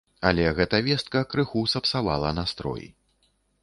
Але гэта вестка крыху сапсавала настрой.